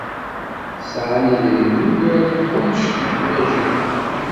Sɛan idrimen ugar n wanect ḥwajen.